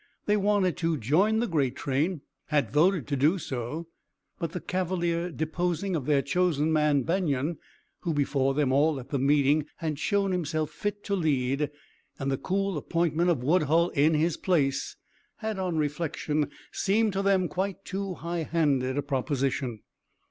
They wanted to join the great train, had voted to do so; but the cavalier deposing of their chosen man Banion who before them all at the meeting had shown himself fit to lead and the cool appointment of Woodhull in his place had on reflection seemed to them quite too high handed a proposition.